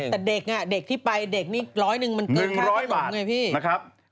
แต่เด็กอ่ะเด็กที่ไปเด็กนี่ร้อยหนึ่งมันเกินค่าข้าวหนุ่มไงพี่